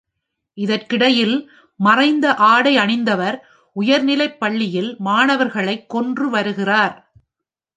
இதற்கிடையில், மறைந்தஆடை அணிந்தவர் உயர்நிலைப் பள்ளியில் மாணவர்களைக் கொன்று வருகிறார்.